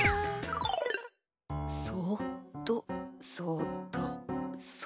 そっとそっとそ。